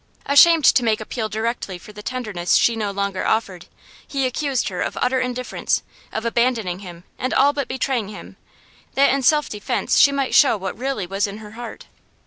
Ashamed to make appeal directly for the tenderness she no longer offered, he accused her of utter indifference, of abandoning him and all but betraying him, that in self defence she might show what really was in her heart.